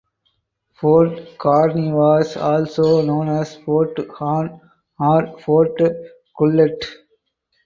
Fort Carney was also known as Fort Hawn or Fort Gullett.